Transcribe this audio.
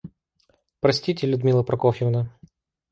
Простите, Людмила Прокофьевна.